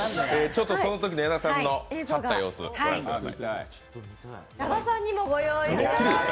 そのときの矢田さんの勝った様子、ご覧ください。